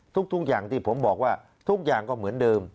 ทุกอย่างที่ผมบอกว่าทุกอย่างก็เหมือนเดิม